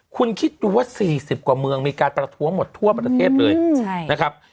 คุณคิดดูว่า๔๐กว่าเมืองมีการประท้วงหมดทั่วประเทศเลยนะครับ